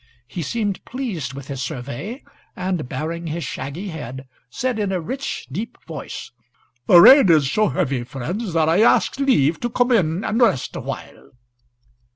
He seemed pleased with the survey, and, baring his shaggy head, said, in a rich, deep voice, "The rain is so heavy, friends, that I ask leave to come in and rest awhile."